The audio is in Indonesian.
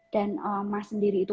dan mah sendiri itu